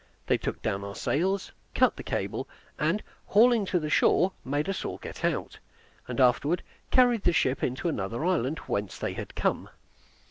They took down our sails, cut the cable, and, hauling to the shore, made us all get out, and afterward carried the ship into another island, whence they had come.